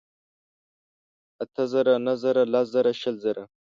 اتۀ زره ، نهه زره لس ژره شل زره